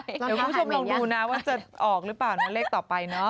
เดี๋ยวคุณผู้ชมลองดูนะว่าจะออกหรือเปล่าเนาะเลขต่อไปเนาะ